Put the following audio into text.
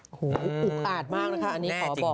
โอ้โหอุกอาดมากนะคะอันนี้ขอบอก